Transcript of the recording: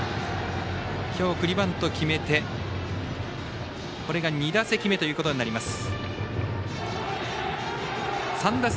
今日、送りバント決めてこれが３打席目となります。